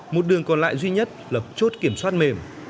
một đường còn lại duy nhất lập chốt kiểm soát mềm